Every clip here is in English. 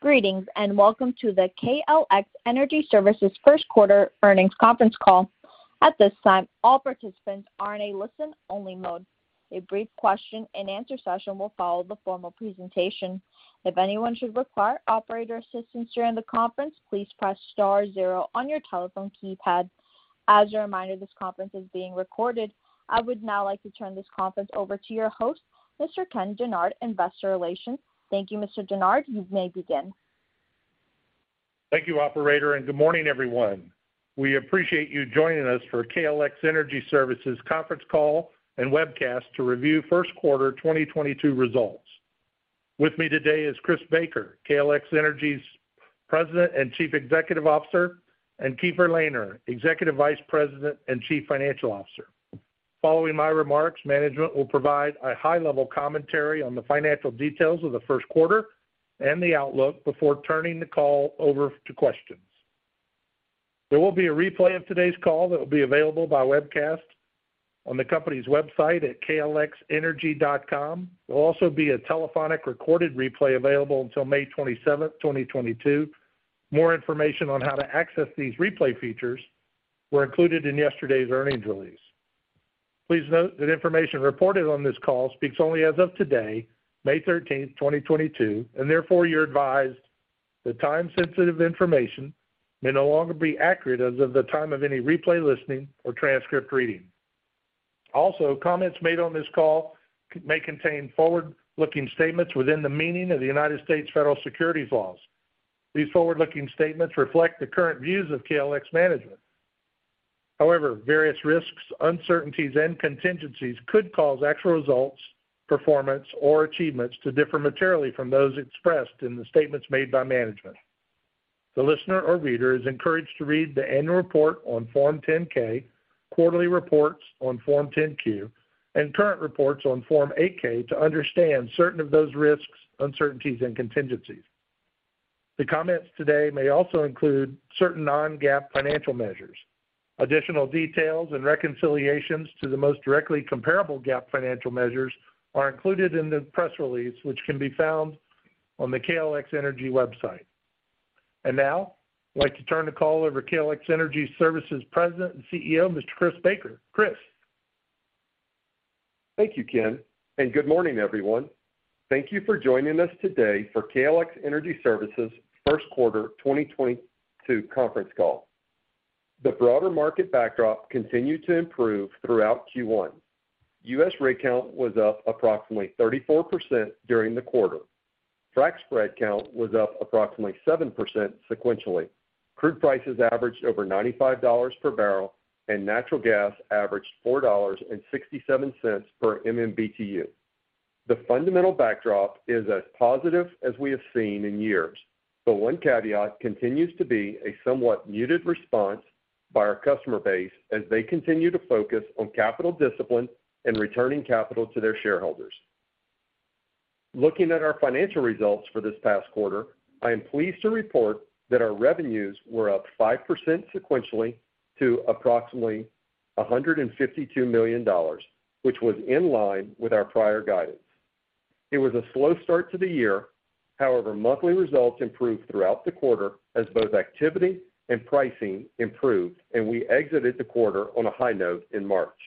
Greetings, and welcome to the KLX Energy Services Q1 earnings conference call. At this time, all participants are in a listen-only mode. A brief question and answer session will follow the formal presentation. If anyone should require operator assistance during the conference, please press star zero on your telephone keypad. As a reminder, this conference is being recorded. I would now like to turn this conference over to your host, Mr. Ken Dennard, Investor Relations. Thank you, Mr. Dennard. You may begin. Thank you, operator, and good morning, everyone. We appreciate you joining us for KLX Energy Services conference call and webcast to review Q1 2022 results. With me today is Chris Baker, KLX Energy's President and Chief Executive Officer, and Keefer Lehner, Executive Vice President and Chief Financial Officer. Following my remarks, management will provide a high-level commentary on the financial details of the Q1 and the outlook before turning the call over to questions. There will be a replay of today's call that will be available by webcast on the company's website at klxenergy.com. There will also be a telephonic recorded replay available until May 27th, 2022. More information on how to access these replay features were included in yesterday's earnings release. Please note that information reported on this call speaks only as of today, May 13, 2022, and therefore you're advised that time-sensitive information may no longer be accurate as of the time of any replay listening or transcript reading. Also, comments made on this call may contain forward-looking statements within the meaning of the United States federal securities laws. These forward-looking statements reflect the current views of KLX management. However, various risks, uncertainties, and contingencies could cause actual results, performance, or achievements to differ materially from those expressed in the statements made by management. The listener or reader is encouraged to read the annual report on Form 10-K, quarterly reports on Form 10-Q, and current reports on Form 8-K to understand certain of those risks, uncertainties, and contingencies. The comments today may also include certain non-GAAP financial measures. Additional details and reconciliations to the most directly comparable GAAP financial measures are included in the press release, which can be found on the KLX Energy website. Now, I'd like to turn the call over to KLX Energy Services President and CEO, Mr. Chris Baker. Chris. Thank you, Ken, and good morning, everyone. Thank you for joining us today for KLX Energy Services Q1 2022 conference call. The broader market backdrop continued to improve throughout Q1. U.S. rig count was up approximately 34% during the quarter. Frac spread count was up approximately 7% sequentially. Crude prices averaged over $95 per barrel, and natural gas averaged $4.67 per MMBTU. The fundamental backdrop is as positive as we have seen in years, but one caveat continues to be a somewhat muted response by our customer base as they continue to focus on capital discipline and returning capital to their shareholders. Looking at our financial results for this past quarter, I am pleased to report that our revenues were up 5% sequentially to approximately $152 million, which was in line with our prior guidance. It was a slow start to the year. However, monthly results improved throughout the quarter as both activity and pricing improved, and we exited the quarter on a high note in March.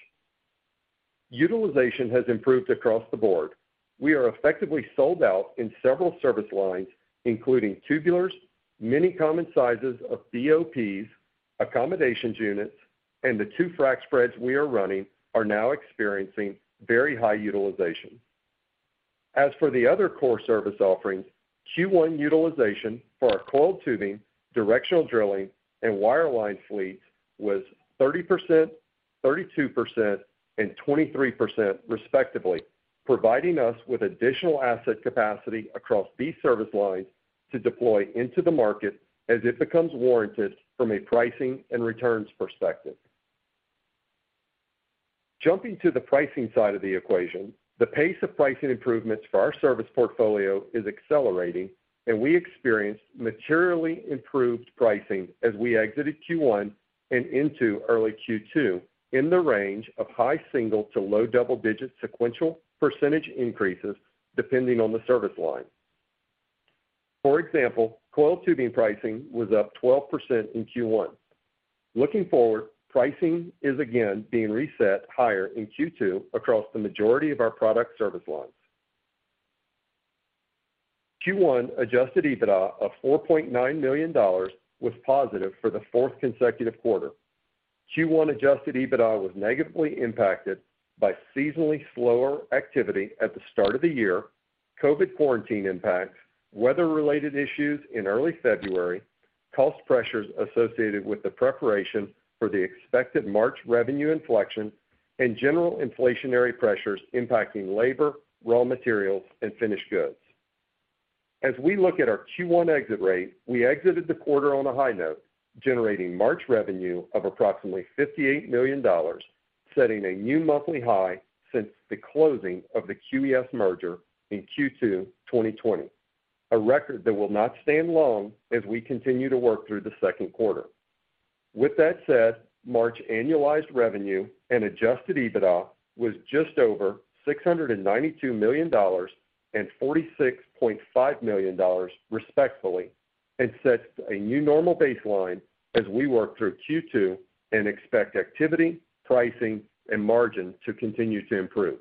Utilization has improved across the board. We are effectively sold out in several service lines, including tubulars, many common sizes of BOPs, accommodations units, and the two frac spreads we are running are now experiencing very high utilization. As for the other core service offerings, Q1 utilization for our coiled tubing, directional drilling, and wireline fleets was 30%, 32%, and 23% respectively, providing us with additional asset capacity across these service lines to deploy into the market as it becomes warranted from a pricing and returns perspective. Jumping to the pricing side of the equation, the pace of pricing improvements for our service portfolio is accelerating, and we experienced materially improved pricing as we exited Q1 and into early Q2 in the range of high single- to low double-digit sequential % increases, depending on the service line. For example, coiled tubing pricing was up 12% in Q1. Looking forward, pricing is again being reset higher in Q2 across the majority of our product service lines. Q1 adjusted EBITDA of $4.9 million was positive for the fourth consecutive quarter. Q1 adjusted EBITDA was negatively impacted by seasonally slower activity at the start of the year, COVID quarantine impacts, weather-related issues in early February, cost pressures associated with the preparation for the expected March revenue inflection, and general inflationary pressures impacting labor, raw materials, and finished goods. As we look at our Q1 exit rate, we exited the quarter on a high note, generating March revenue of approximately $58 million, setting a new monthly high since the closing of the QES merger in Q2 2020. A record that will not stand long as we continue to work through the Q2. With that said, March annualized revenue and adjusted EBITDA was just over $692 million and $46.5 million, respectively, and sets a new normal baseline as we work through Q2 and expect activity, pricing and margin to continue to improve.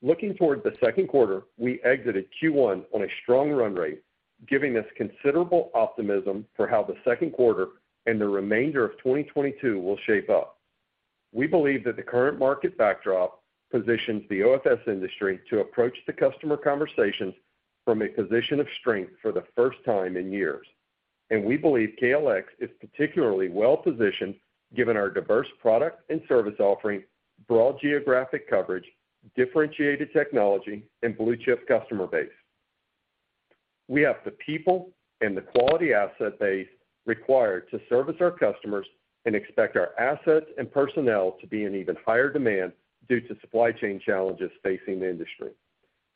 Looking toward the Q2, we exited Q1 on a strong run rate, giving us considerable optimism for how the Q2 and the remainder of 2022 will shape up. We believe that the current market backdrop positions the OFS industry to approach the customer conversations from a position of strength for the first time in years. We believe KLX is particularly well-positioned given our diverse product and service offering, broad geographic coverage, differentiated technology and blue-chip customer base. We have the people and the quality asset base required to service our customers and expect our assets and personnel to be in even higher demand due to supply chain challenges facing the industry.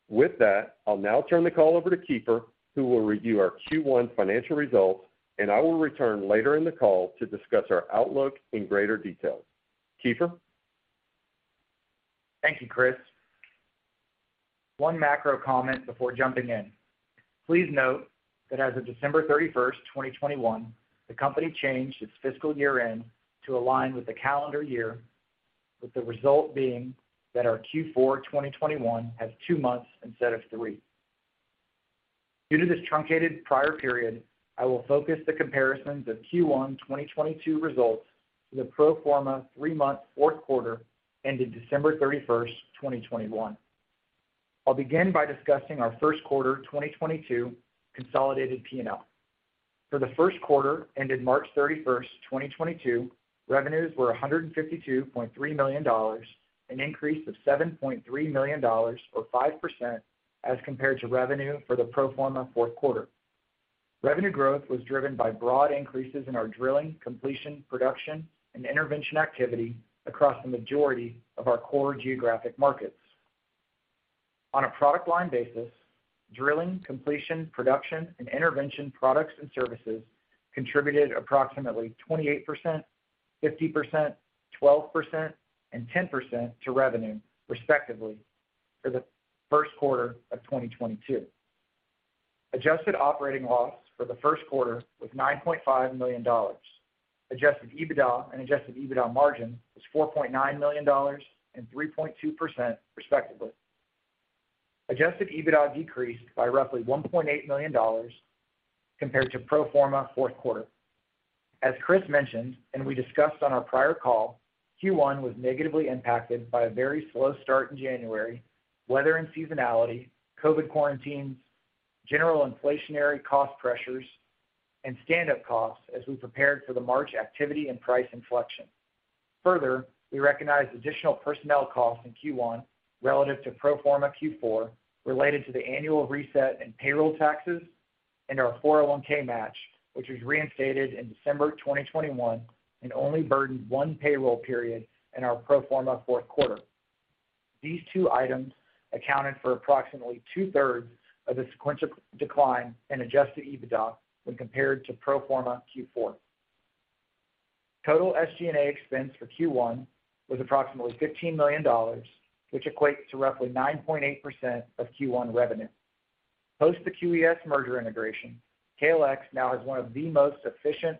With that, I'll now turn the call over to Keefer, who will review our Q1 financial results, and I will return later in the call to discuss our outlook in greater detail. Keefer. Thank you, Chris. One macro comment before jumping in. Please note that as of December 31, 2021, the company changed its fiscal year-end to align with the calendar year, with the result being that our Q4 2021 has two months instead of three. Due to this truncated prior period, I will focus the comparisons of Q1 2022 results to the pro forma three-month Q4 ended December 31, 2021. I'll begin by discussing our Q1 2022 consolidated P&L. For the Q1 ended March 31, 2022, revenues were $152.3 million, an increase of $7.3 million or 5% as compared to revenue for the pro forma Q4. Revenue growth was driven by broad increases in our drilling, completion, production and intervention activity across the majority of our core geographic markets. On a product line basis, drilling, completion, production and intervention products and services contributed approximately 28%, 50%, 12%, and 10% to revenue, respectively, for the Q1 of 2022. Adjusted operating loss for the Q1 was $9.5 million. Adjusted EBITDA and adjusted EBITDA margin was $4.9 million and 3.2%, respectively. Adjusted EBITDA decreased by roughly $1.8 million compared to pro forma Q4. As Chris mentioned, and we discussed on our prior call, Q1 was negatively impacted by a very slow start in January, weather and seasonality, COVID quarantines, general inflationary cost pressures, and standup costs as we prepared for the March activity and price inflection. Further, we recognized additional personnel costs in Q1 relative to pro forma Q4 related to the annual reset in payroll taxes and our 401(k) match, which was reinstated in December 2021 and only burdened 1 payroll period in our pro forma Q4. These two items accounted for approximately two-thirds of the sequential decline in adjusted EBITDA when compared to pro forma Q4. Total SG&A expense for Q1 was approximately $15 million, which equates to roughly 9.8% of Q1 revenue. Post the QES merger integration, KLX now has one of the most efficient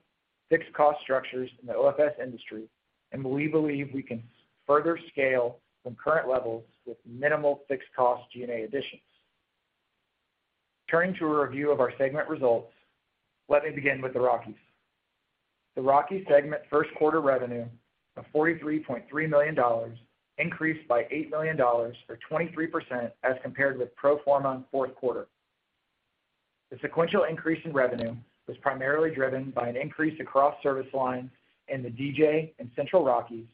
fixed cost structures in the OFS industry, and we believe we can further scale from current levels with minimal fixed cost G&A additions. Turning to a review of our segment results, let me begin with the Rockies. The Rockies segment Q1 revenue of $43.3 million increased by $8 million or 23% as compared with pro forma Q4. The sequential increase in revenue was primarily driven by an increase across service lines in the DJ and Central Rockies,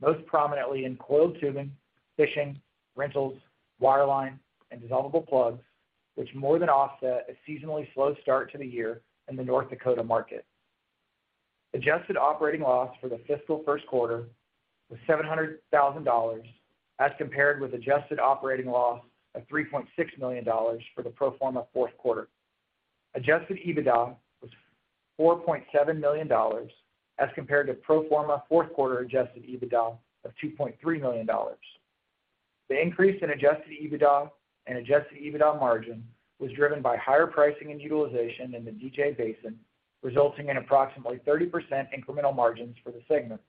most prominently in coiled tubing, fishing, rentals, wireline and dissolvable plugs, which more than offset a seasonally slow start to the year in the North Dakota market. Adjusted operating loss for the fiscal Q1 was $700,000, as compared with adjusted operating loss of $3.6 million for the pro forma Q4. Adjusted EBITDA was $4.7 million, as compared to pro forma Q4 adjusted EBITDA of $2.3 million. The increase in adjusted EBITDA and adjusted EBITDA margin was driven by higher pricing and utilization in the DJ Basin, resulting in approximately 30% incremental margins for the segment.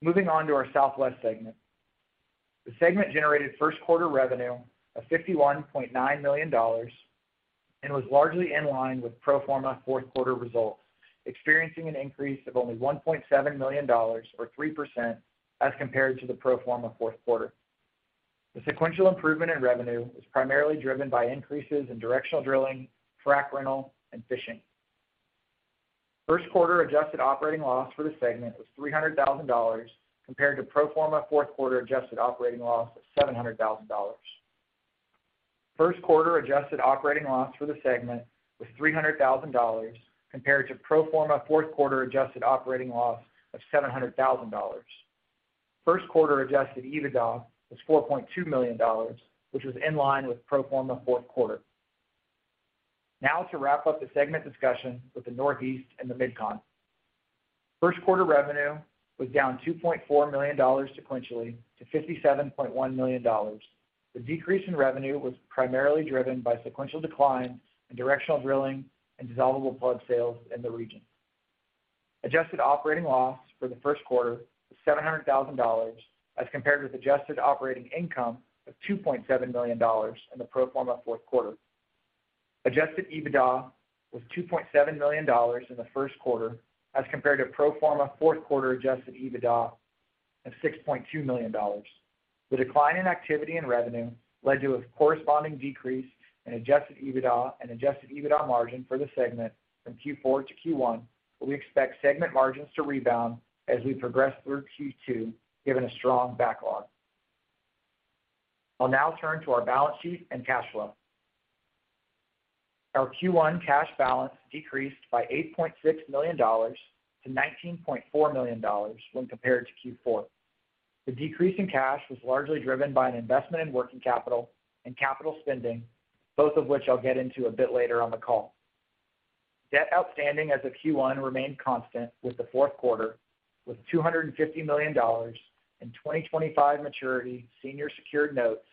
Moving on to our Southwest segment. The segment generated Q1 revenue of $51.9 million and was largely in line with pro forma Q4 results, experiencing an increase of only $1.7 million or 3% as compared to the pro forma Q4. The sequential improvement in revenue was primarily driven by increases in directional drilling, frac rental and fishing. Q1 adjusted operating loss for the segment was $300,000 compared to pro forma Q4 adjusted operating loss of $700,000. Q1 adjusted operating loss for the segment was $300,000 compared to pro forma Q4 adjusted operating loss of $700,000. Q1 adjusted EBITDA was $4.2 million, which was in line with pro forma Q4. Now to wrap up the segment discussion with the Northeast and the Mid-Con. Q1 revenue was down $2.4 million sequentially to $57.1 million. The decrease in revenue was primarily driven by sequential decline in directional drilling and dissolvable plugs sales in the region. Adjusted operating loss for the Q1 was $700,000 as compared with adjusted operating income of $2.7 million in the pro forma Q4. Adjusted EBITDA was $2.7 million in the Q1 as compared to pro forma Q4 adjusted EBITDA of $6.2 million. The decline in activity and revenue led to a corresponding decrease in adjusted EBITDA and adjusted EBITDA margin for the segment from Q4 to Q1, but we expect segment margins to rebound as we progress through Q2, given a strong backlog. I'll now turn to our balance sheet and cash flow. Our Q1 cash balance decreased by $8.6 million to $19.4 million when compared to Q4. The decrease in cash was largely driven by an investment in working capital and capital spending, both of which I'll get into a bit later on the call. Debt outstanding as of Q1 remained constant with the Q4, with $250 million in 2025 maturity senior secured notes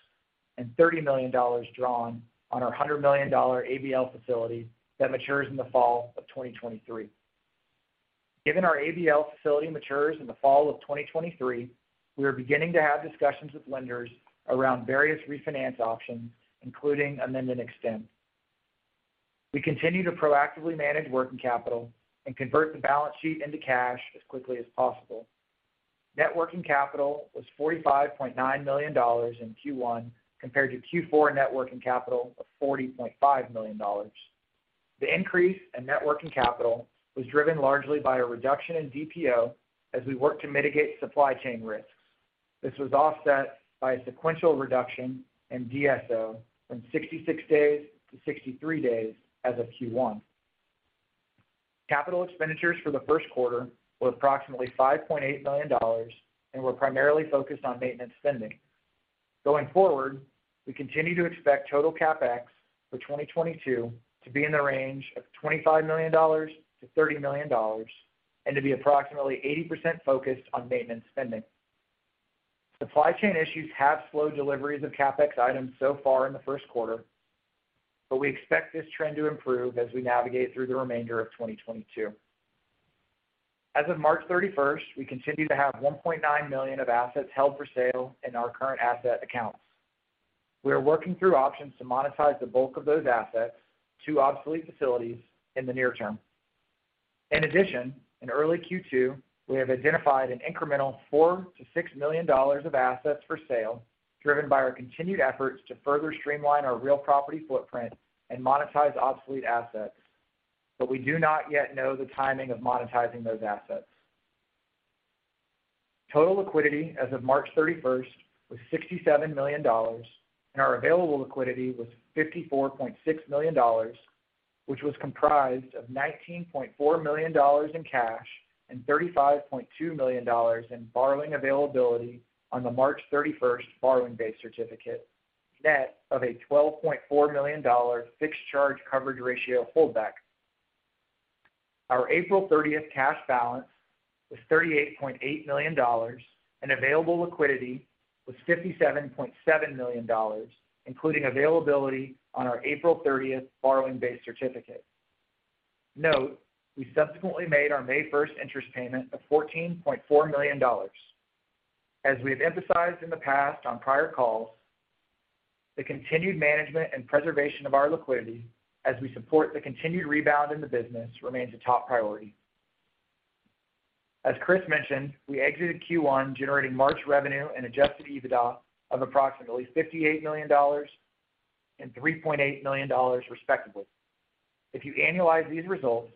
and $30 million drawn on our $100 million ABL facility that matures in the fall of 2023. Given our ABL facility matures in the fall of 2023, we are beginning to have discussions with lenders around various refinance options, including amend and extend. We continue to proactively manage working capital and convert the balance sheet into cash as quickly as possible. Net working capital was $45.9 million in Q1 compared to Q4 net working capital of $40.5 million. The increase in net working capital was driven largely by a reduction in DPO as we work to mitigate supply chain risks. This was offset by a sequential reduction in DSO from 66 days to 63 days as of Q1. Capital expenditures for the Q1 were approximately $5.8 million and were primarily focused on maintenance spending. Going forward, we continue to expect total CapEx for 2022 to be in the range of $25 million-$30 million and to be approximately 80% focused on maintenance spending. Supply chain issues have slowed deliveries of CapEx items so far in the Q1, but we expect this trend to improve as we navigate through the remainder of 2022. As of March 31st, we continue to have $1.9 million of assets held for sale in our current asset accounts. We are working through options to monetize the bulk of those assets to obsolete facilities in the near term. In addition, in early Q2, we have identified an incremental $4-$6 million of assets for sale, driven by our continued efforts to further streamline our real property footprint and monetize obsolete assets. We do not yet know the timing of monetizing those assets. Total liquidity as of March 31st was $67 million, and our available liquidity was $54.6 million, which was comprised of $19.4 million in cash and $35.2 million in borrowing availability on the March 31st borrowing base certificate, net of a $12.4 million fixed charge coverage ratio holdback. Our April 30th cash balance was $38.8 million, and available liquidity was $57.7 million, including availability on our April 30th borrowing base certificate. Note, we subsequently made our May first interest payment of $14.4 million. As we have emphasized in the past on prior calls, the continued management and preservation of our liquidity as we support the continued rebound in the business remains a top priority. As Chris mentioned, we exited Q1 generating March revenue and adjusted EBITDA of approximately $58 million and $3.8 million, respectively. If you annualize these results,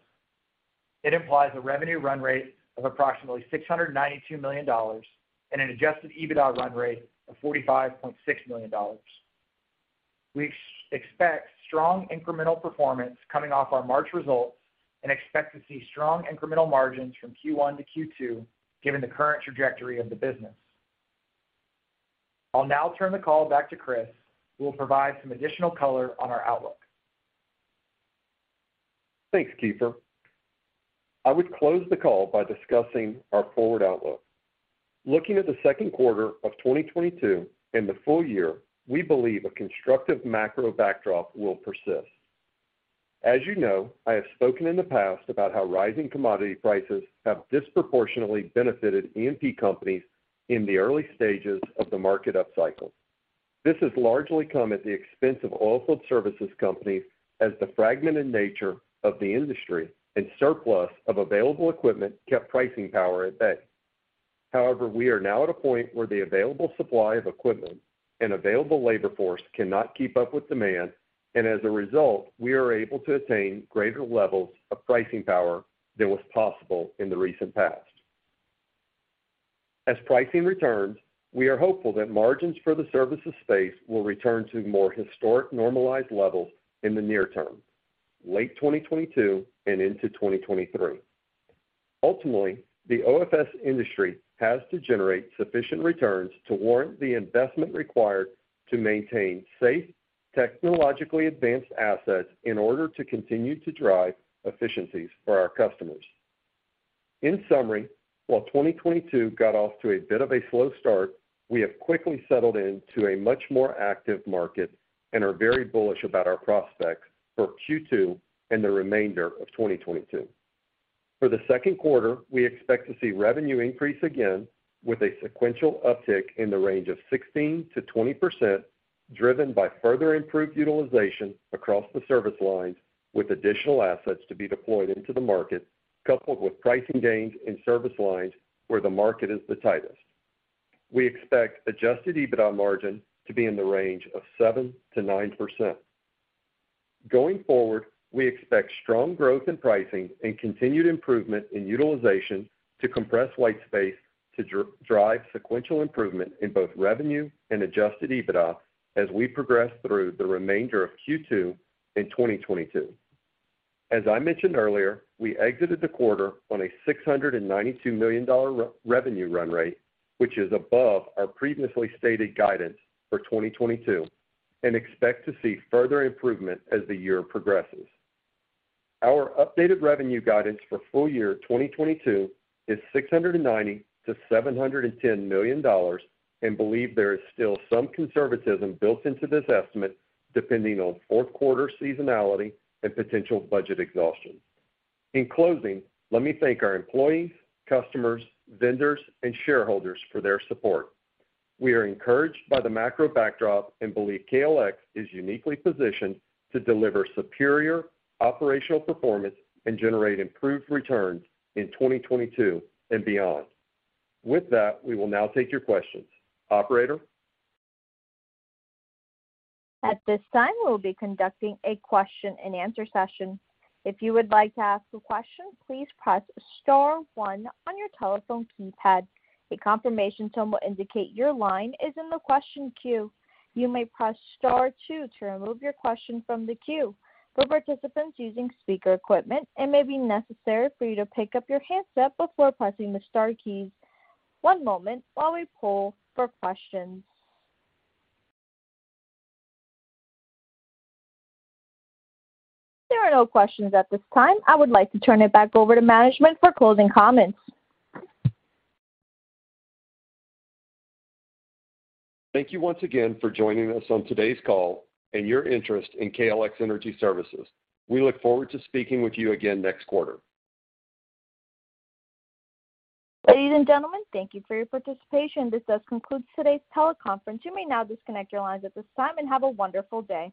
it implies a revenue run rate of approximately $692 million and an adjusted EBITDA run rate of $45.6 million. We expect strong incremental performance coming off our March results and expect to see strong incremental margins from Q1 to Q2, given the current trajectory of the business. I'll now turn the call back to Chris, who will provide some additional color on our outlook. Thanks, Keefer. I would close the call by discussing our forward outlook. Looking at the Q2 of 2022 and the full year, we believe a constructive macro backdrop will persist. As you know, I have spoken in the past about how rising commodity prices have disproportionately benefited E&P companies in the early stages of the market upcycle. This has largely come at the expense of oilfield services companies as the fragmented nature of the industry and surplus of available equipment kept pricing power at bay. However, we are now at a point where the available supply of equipment and available labor force cannot keep up with demand, and as a result, we are able to attain greater levels of pricing power than was possible in the recent past. As pricing returns, we are hopeful that margins for the services space will return to more historic normalized levels in the near term, late 2022 and into 2023. Ultimately, the OFS industry has to generate sufficient returns to warrant the investment required to maintain safe, technologically advanced assets in order to continue to drive efficiencies for our customers. In summary, while 2022 got off to a bit of a slow start, we have quickly settled in to a much more active market and are very bullish about our prospects for Q2 and the remainder of 2022. For the Q2, we expect to see revenue increase again with a sequential uptick in the range of 16%-20%, driven by further improved utilization across the service lines, with additional assets to be deployed into the market, coupled with pricing gains in service lines where the market is the tightest. We expect adjusted EBITDA margin to be in the range of 7%-9%. Going forward, we expect strong growth in pricing and continued improvement in utilization to compress white space to drive sequential improvement in both revenue and adjusted EBITDA as we progress through the remainder of Q2 in 2022. As I mentioned earlier, we exited the quarter on a $692 million revenue run rate, which is above our previously stated guidance for 2022, and expect to see further improvement as the year progresses. Our updated revenue guidance for full year 2022 is $690 million-$710 million and believe there is still some conservatism built into this estimate depending on Q4 seasonality and potential budget exhaustion. In closing, let me thank our employees, customers, vendors, and shareholders for their support. We are encouraged by the macro backdrop and believe KLX is uniquely positioned to deliver superior operational performance and generate improved returns in 2022 and beyond. With that, we will now take your questions. Operator? At this time, we will be conducting a question and answer session. If you would like to ask a question, please press star one on your telephone keypad. A confirmation tone will indicate your line is in the question queue. You may press star two to remove your question from the queue. For participants using speaker equipment, it may be necessary for you to pick up your handset before pressing the star keys. One moment while we poll for questions. There are no questions at this time. I would like to turn it back over to management for closing comments. Thank you once again for joining us on today's call and your interest in KLX Energy Services. We look forward to speaking with you again next quarter. Ladies and gentlemen, thank you for your participation. This does conclude today's teleconference. You may now disconnect your lines at this time, and have a wonderful day.